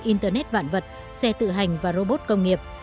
internet vạn vật xe tự hành và robot công nghiệp